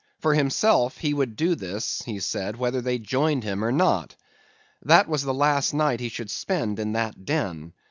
For himself, he would do this, he said, whether they joined him or not. That was the last night he should spend in that den.